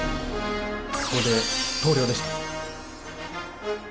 ここで投了でした。